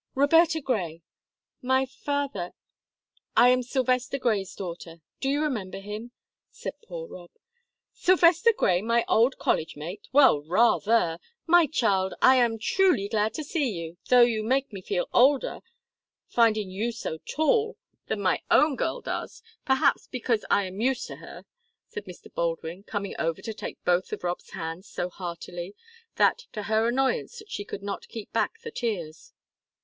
"Roberta Grey. My father I am Sylvester Grey's daughter; do you remember him?" said poor Rob. "Sylvester Grey, my old college mate? Well, rather! My child, I am truly glad to see you, though you make me feel older, finding you so tall, than my own girl does perhaps because I am used to her," said Mr. Baldwin, coming over to take both of Rob's hands so heartily, that, to her annoyance, she could not keep back the tears.